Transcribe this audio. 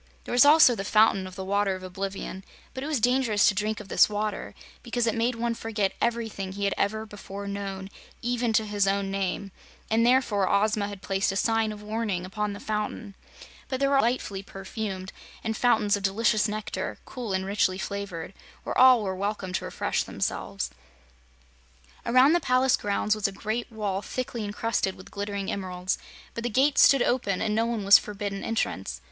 There was also the Fountain of the Water of Oblivion, but it was dangerous to drink of this water, because it made one forget everything he had ever before known, even to his own name, and therefore Ozma had placed a sign of warning upon the fountain. But there were also fountains that were delightfully perfumed, and fountains of delicious nectar, cool and richly flavored, where all were welcome to refresh themselves. Around the palace grounds was a great wall, thickly encrusted with glittering emeralds, but the gates stood open and no one was forbidden entrance.